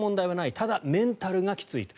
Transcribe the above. ただ、メンタルがきついと。